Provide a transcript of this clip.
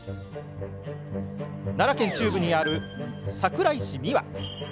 奈良県中部にある桜井市三輪。